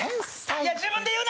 いや自分で言うな！